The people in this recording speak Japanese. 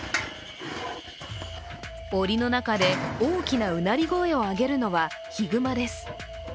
おりの中で、大きなうなり声を上げるのは、ヒグマです。